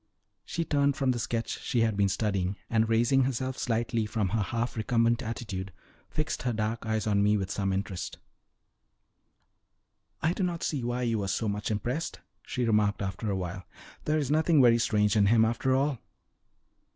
She turned from the sketch she had been studying, and raising herself slightly from her half recumbent attitude, fixed her dark eyes on me with some interest. "I do not see why you were so much impressed," she remarked after a while. "There is nothing very strange in him after all."